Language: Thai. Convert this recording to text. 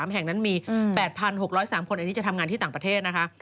แห่งนั้นมี๘๖๐๓คนอันนี้จะทำงานที่ต่างประเทศนะคะ